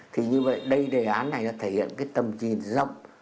thì như vậy đây đề án này đã thể hiện cái tầm nhìn rộng